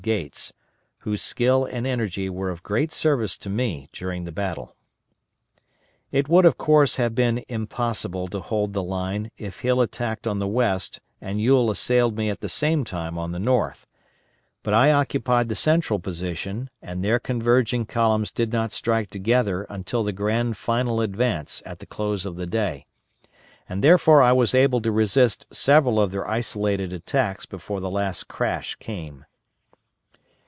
Gates, whose skill and energy were of great service to me during the battle. It would of course have been impossible to hold the line if Hill attacked on the west and Ewell assailed me at the same time on the north; but I occupied the central position, and their converging columns did not strike together until the grand final advance at the close of the day, and therefore I was able to resist several of their isolated attacks before the last crash came.